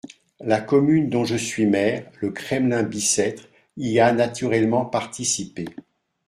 La commune dont je suis maire, le Kremlin-Bicêtre, y a naturellement participé.